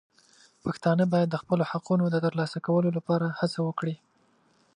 پښتانه باید د خپلو حقونو د ترلاسه کولو لپاره هڅه وکړي.